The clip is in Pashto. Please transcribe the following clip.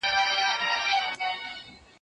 زه اجازه لرم چي جواب ورکړم